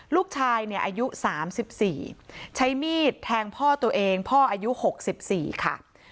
ลูกชายเนี่ยอายุ๓๔ใช้มีดแทงพ่อตัวเองพ่ออายุ๖๔ค่ะ